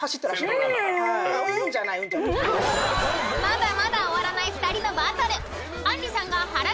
［まだまだ終わらない２人のバトル！］